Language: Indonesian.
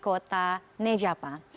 di kota nejapa